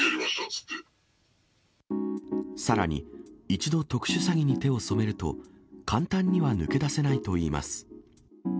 さらに、一度、特殊詐欺に手を染めると、簡単には抜け出せないといいます。